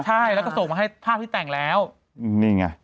แต่งแล้วนี่ไง